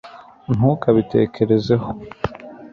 ntukabitekerezeho